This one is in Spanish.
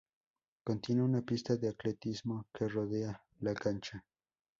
Contiene una pista de atletismo que rodea la cancha.